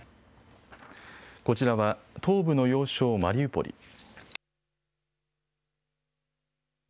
こちらは東部の要衝、マリウポリ。